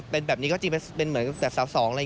เป็นแบบนี้ก็จริงเป็นเหมือนแบบสาวสอง